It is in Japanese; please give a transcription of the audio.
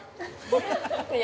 ◆いや！